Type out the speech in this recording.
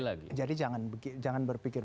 lagi jadi jangan begitu jangan berpikir